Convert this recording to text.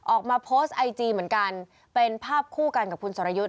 ออกมาโพสต์ไอจีเหมือนกันเป็นภาพคู่กันกับคุณสรยุทธ์